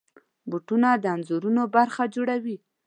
بوټونه د انځورونو برخه جوړوي.